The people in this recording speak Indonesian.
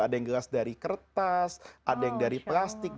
ada yang gelas dari kertas ada yang dari plastik